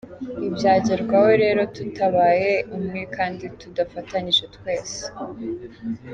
Ntibyagerwaho rero tutabaye umwe kandi tudafatanyije twese.